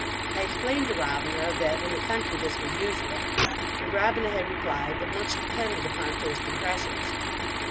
I explained to Robina that, in the country, this was usual; and Robina had replied that much depended upon first impressions.